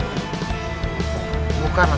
bukanlah peperangan yang tadi raden